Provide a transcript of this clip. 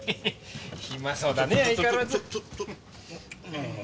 ヒマそうだね相変わらず。